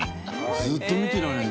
ずっと見てられる。